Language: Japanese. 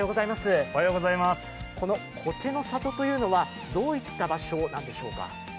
この苔の里というのはどういった場所なんでしょうか。